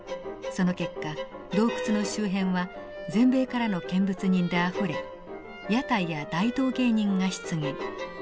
その結果洞窟の周辺は全米からの見物人であふれ屋台や大道芸人が出現。